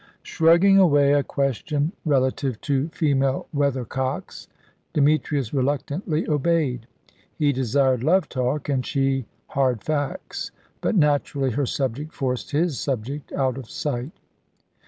Shrugging away a question relative to female weathercocks, Demetrius reluctantly obeyed. He desired love talk, and she hard facts; but naturally her subject forced his subject out of sight.